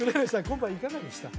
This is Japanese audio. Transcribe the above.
今晩いかがでした？